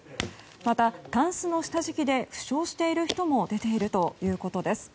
また、たんすの下敷きで負傷している人も出ているということです。